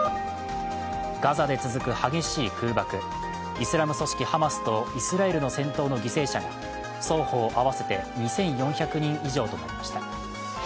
ガザで続く激しい空爆、イスラム組織ハマスとイスラエルの戦闘の犠牲者が双方合わせて２４００人以上となりました。